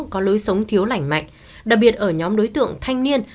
có lối sống thiếu lành mạnh đặc biệt ở nhóm đối tượng thanh niên